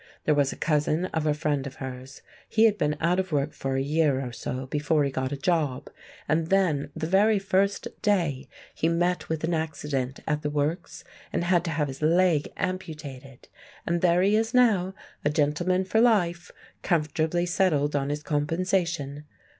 There was a cousin of a friend of hers; he had been out of work for a year or so before he got a job, and then the very first day he met with an accident at the works and had to have his leg amputated; and there he is now, a gentleman for life, comfortably settled on his compensation.